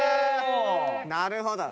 なるほど。